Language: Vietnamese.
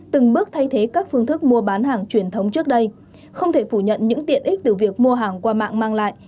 trong xu thế các phương thức mua bán hàng truyền thống trước đây không thể phủ nhận những tiện ích từ việc mua hàng qua mạng mang lại